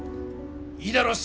いいだろう！